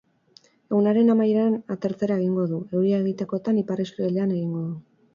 Egunaren amaieran atertzera egingo du, euria egitekotan ipar isurialdean egingo du.